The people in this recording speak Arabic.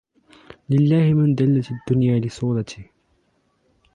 للّه من ذلت الدنيا لصولته